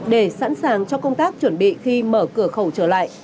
để sẵn sàng cho công tác chuẩn bị khi mở cửa khẩu trở lại